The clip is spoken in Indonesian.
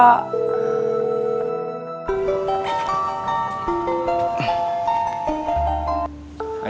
nggak angkat telepon rara